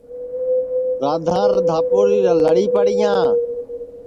رادھانٚر دھاپُوڑی لڑیپڑِیاں